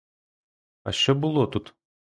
А що було тут?